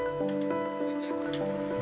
dua orang bertugas sebagainya